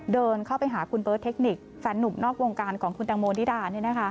เดินเข้าไปหาคุณเบิร์ตเทคนิคแฟนหนุ่มนอกวงการของคุณตังโมนิดา